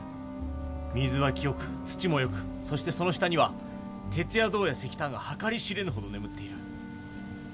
水は清く土もよくそしてその下には鉄や銅や石炭が計り知れぬほど眠っている。